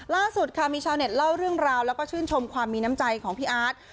ล่าสุดค่ะมีชาวเน็ตเล่าเรื่องราวแล้วก็ชื่นชมความมีน้ำใจของพี่อาร์ต